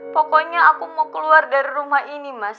pokoknya aku mau keluar dari rumah ini mas